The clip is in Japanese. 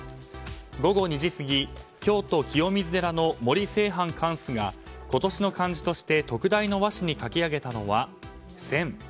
午後２時過ぎ京都・清水寺の森清範貫主が今年の漢字として特大の和紙に書き上げたのは「戦」。